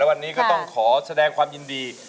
วันนี้ก็ต้องขอแสดงความยินดี